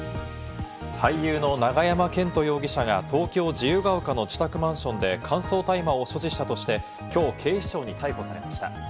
俳優の永山絢斗容疑者が東京・自由が丘の自宅マンションで乾燥大麻を所持したとして、きょう警視庁に逮捕されました。